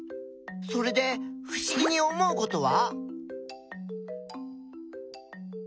それでふしぎに思うことは？